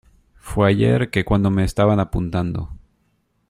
fue ayer, que cuando me estaban apuntando